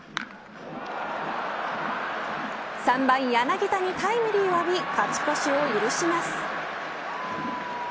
３番、柳田にタイムリーを浴び勝ち越しを許します。